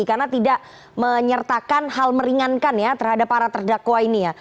karena tidak menyertakan hal meringankan ya terhadap para terdakwa ini ya